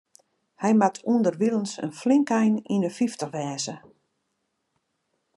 Hy moat ûnderwilens in flink ein yn de fyftich wêze.